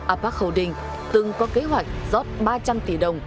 apac holding từng có kế hoạch rót ba trăm linh tỷ đồng